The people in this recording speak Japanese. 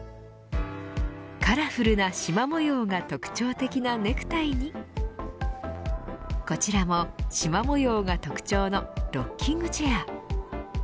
カラフルな縞模様が特徴的なネクタイにこちらも縞模様が特徴のロッキングチェア。